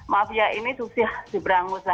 mafia ini susah siberangus